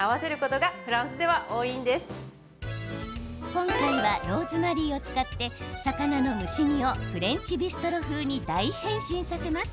今回はローズマリーを使って魚の蒸し煮をフレンチビストロ風に大変身させます。